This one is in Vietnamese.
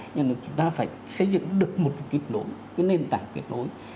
nhưng mà chúng ta phải xây dựng được một cái nền tảng kiểm nối